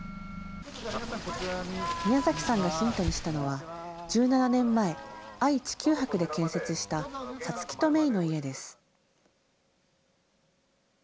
宮崎さんがヒントにしたのは１７年前、愛・地球博で建設したサツキとメイの家です。